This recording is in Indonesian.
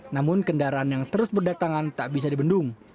namun kendaraan yang terus berdatangan tak bisa dibendung